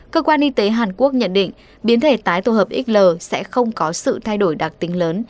cơ quan y tế hàn quốc nhận định biến thể tái tổ hợp xl sẽ không có sự thay đổi đặc tính lớn